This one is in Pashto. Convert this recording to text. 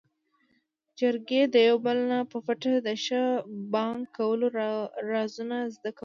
چرګې د يو بل نه په پټه د ښه بانګ کولو رازونه زده کول.